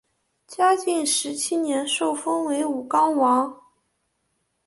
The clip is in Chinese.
嘉靖十七年受封为武冈王。